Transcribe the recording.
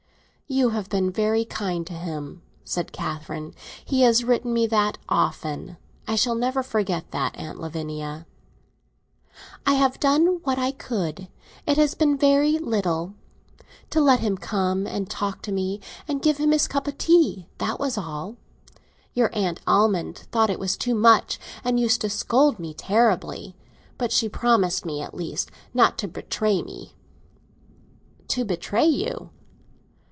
"You have been very kind to him," said Catherine. "He has written me that, often. I shall never forget that, Aunt Lavinia." "I have done what I could; it has been very little. To let him come and talk to me, and give him his cup of tea—that was all. Your Aunt Almond thought it was too much, and used to scold me terribly; but she promised me, at least, not to betray me." "To betray you?"